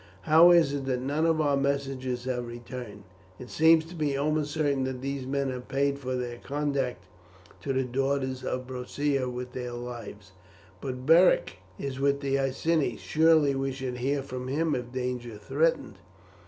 How is it that none of our messengers have returned? It seems to me almost certain that these men have paid for their conduct to the daughters of Boadicea with their lives." "But Beric is with the Iceni. Surely we should hear from him if danger threatened."